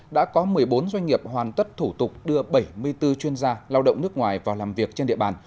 đã có một mươi bốn doanh nghiệp hoàn tất thủ tục đưa bảy mươi bốn chuyên gia lao động nước ngoài vào làm việc trên địa bàn